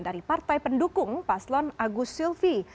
dari partai pendukung paslon agus silvi